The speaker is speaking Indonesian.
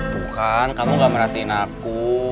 bukan kamu gak merhatiin aku